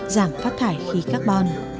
giảm phát thải khí carbon